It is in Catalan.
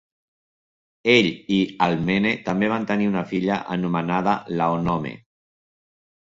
Ell i Alcmene també van tenir una filla anomenada Laonome.